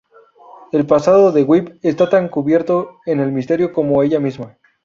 El pasado de Whip esta tan cubierto en el misterio como ella misma.